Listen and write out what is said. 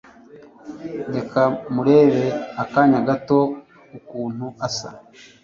Reka murebe akanya gato ukunu asa